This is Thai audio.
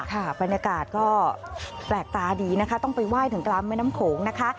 ค่ะบรรยากาศก็แปลกตาดีนะคะต้องไปไหว้ถึงกลางแม่น้ำโขงนะคะ